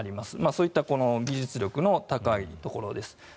そういった技術力の高いところです。